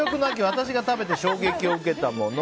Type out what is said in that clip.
私が食べて衝撃を受けたもの。